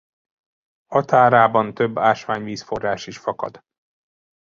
Határában több ásványvízforrás is fakad.